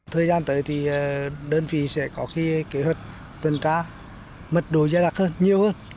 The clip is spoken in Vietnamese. thời gian tới thì đơn vị sẽ có khi kế hoạch tuần tra mật đồ gia đạc hơn nhiều hơn